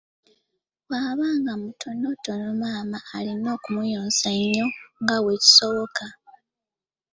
Bw'aba nga mutonotono maama alina okumuyonsa ennyo nga bwe kisoboka.